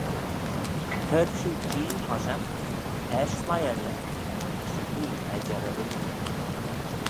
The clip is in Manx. Cur shiu Jee hoshiaght, eisht sleih elley, as shiu hene er jerrey ooilley.